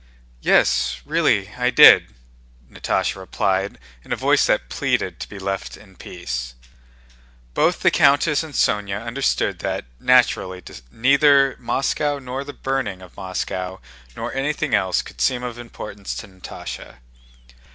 "Yes, really I did," Natásha replied in a voice that pleaded to be left in peace. Both the countess and Sónya understood that, naturally, neither Moscow nor the burning of Moscow nor anything else could seem of importance to Natásha.